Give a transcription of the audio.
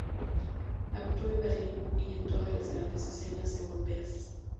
Actuó en Berlín y en todas las grandes escenas europeas.